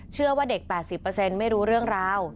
เชื่อว่าเด็ก๘๐ไม่รู้เรื่องราว